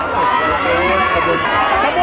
สวัสดีครับ